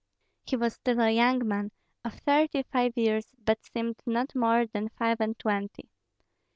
He was still a young man, of thirty five years, but seemed not more than five and twenty.